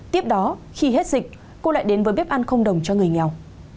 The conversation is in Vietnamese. tiếp đó khi hết dịch cô lại đến với bếp ăn không đồng cho người nghèo